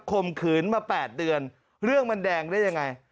มขืนมา๘เดือนเรื่องมันแดงได้ยังไง